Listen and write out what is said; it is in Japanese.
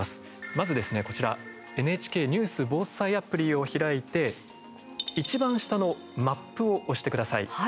まずですね、こちらＮＨＫニュース防災アプリを開いて、いちばん下の「マップ」を押してください。